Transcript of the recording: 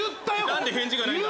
何で返事がないんだ？